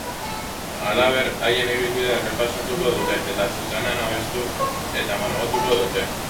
Halaber, haien ibilbidea errepasatuko dute eta zuzenean abestu eta margotuko dute.